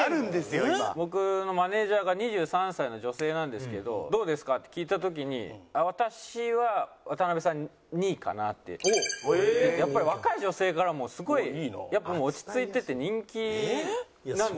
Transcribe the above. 僕のマネージャーが２３歳の女性なんですけど「どうですか？」って聞いた時に「私は渡辺さん２位かな」って。やっぱり若い女性からもすごいやっぱもう落ち着いてて人気なんですよ。